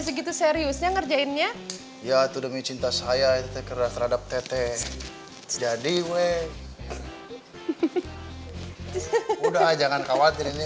seriusnya ngerjainnya ya tuh demi cinta saya terhadap teteh jadi weh udah jangan khawatir ini